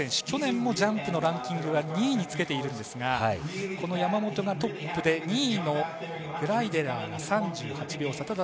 去年もジャンプのランキングは２位につけているんですがこの山本がトップで２位のグライデラーが３８秒差。